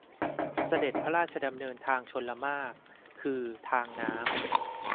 เสด็จพระราชดำเนินทางชลมารค คือทางน้ำ